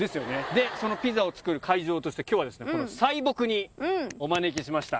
でそのピザを作る会場として今日はですねこのサイボクにお招きしました。